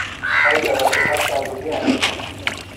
آیا لباس شب ضروری است؟